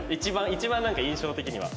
一番印象的には。